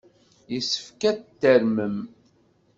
Yessefk ad tarmem!